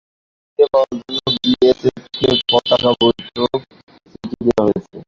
তাঁকে ফিরে পাওয়ার জন্য বিএসএফকে পতাকা বৈঠকের জন্য চিঠি দেওয়া হয়েছে।